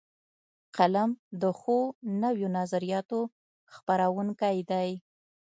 قلم د ښو نویو نظریاتو خپروونکی دی